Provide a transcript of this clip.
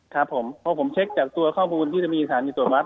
ครับผมเพราะผมเช็คจากตัวข้อมูลที่จะมีสถานีตรวจวัด